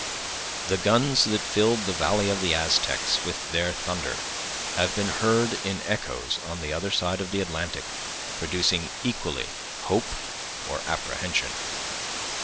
The guns that filled the valley of the Aztecs with their thunder, have been heard in echoes on the other side of the Atlantic, producing equally hope or apprehension.